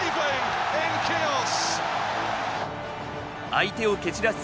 相手を蹴散らす